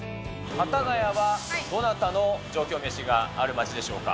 幡ヶ谷はどなたの上京メシがある街でしょうか。